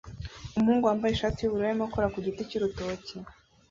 Umuhungu wambaye ishati yubururu arimo akora ku giti cyurutoki